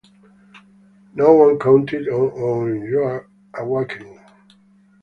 No one counted on your awakening.